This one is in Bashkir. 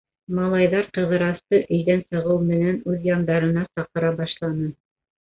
Малайҙар Ҡыҙырасты, өйҙән сығыу менән, үҙ яндарына саҡыра башланы.